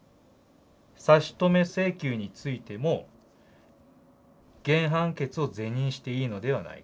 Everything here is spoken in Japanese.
「差止請求についても原判決を是認していいのではないか」。